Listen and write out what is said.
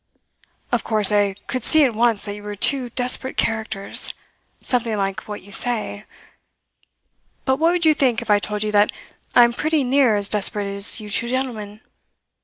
"Of course, I could see at once that you were two desperate characters something like what you say. But what would you think if I told you that I am pretty near as desperate as you two gentlemen?